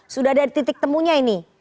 sudah ada titik temunya ini